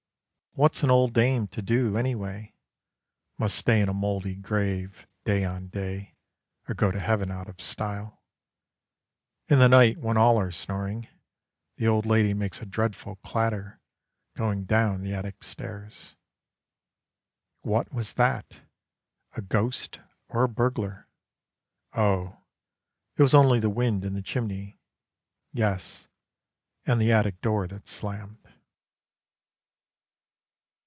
What's an old dame to do, anyway! Must stay in a mouldy grave day on day, Or go to heaven out of style. In the night when all are snoring, The old lady makes a dreadful clatter, Going down the attic stairs. What was that? A ghost or a burglar? Oh, it was only the wind in the chimney, Yes, and the attic door that slammed.